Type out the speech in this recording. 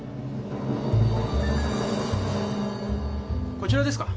こちらですか？